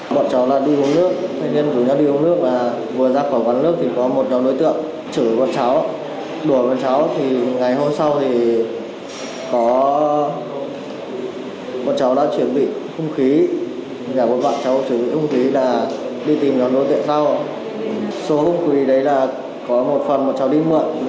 bọn cháu là đi hôn nước thanh niên của nhóm đi hôn nước là vừa ra khỏi quán nước thì có một nhóm đối tượng